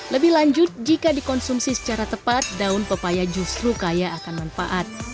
lebih lanjut jika dikonsumsi secara tepat daun pepaya justru kaya akan manfaat